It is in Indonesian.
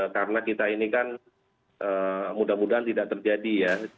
karena kita ini kan mudah mudahan tidak terjadi ya